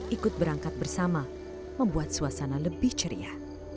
ikut berangkat bersama membuat suasana lebih ceria